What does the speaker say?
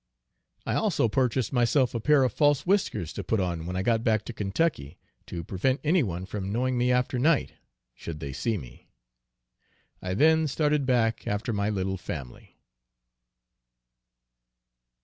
I also purchased myself a pair of false whiskers to put on when I got back to Kentucky, to prevent any one from knowing me after night, should they see me. I then started back after my little family.